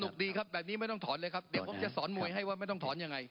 ดีครับแบบนี้ไม่ต้องถอนเลยครับเดี๋ยวผมจะสอนมวยให้ว่าไม่ต้องถอนยังไง